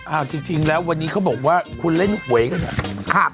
อ่าต้องเรียกว่าเป็นไงกันนะครับ